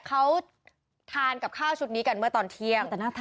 เขาทานกับข้าวชุดนี้กันเมื่อตอนเที่ยง